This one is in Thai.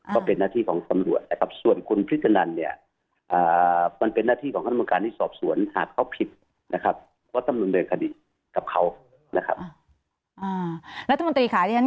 ก็เป็นหน้าที่ของตำรวจส่วนคุณพิธีนันเนี่ยมันเป็นหน้าที่ของธนบังการที่สอบสวนหากเขาผิดนะครับก็ตำรวจเรียนคดีกับเขานะครับ